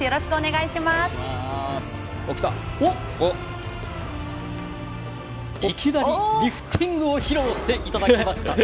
いきなりリフティングを披露していただきました。